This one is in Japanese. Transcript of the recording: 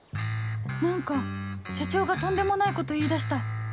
何か社長がとんでもないこと言いだした